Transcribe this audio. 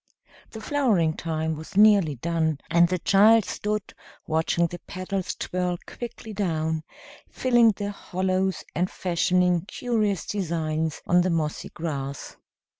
The flowering time was nearly done, and the child stood watching the petals twirl quickly down, filling the hollows and fashioning curious designs on the mossy grass.